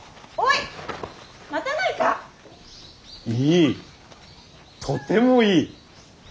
いいとてもいい。